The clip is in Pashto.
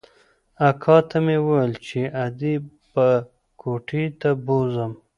اکا ته مې وويل چې ادې به کوټې ته بوځم.